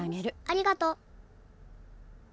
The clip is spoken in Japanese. ありがとう。